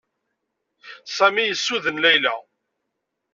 Sami yessuden Layla.